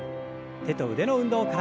手と腕の運動から。